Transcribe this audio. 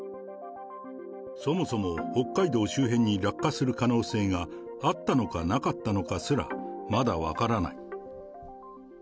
そもそも北海道周辺に落下する可能性があったのかなかったのかすら、まだ分からない。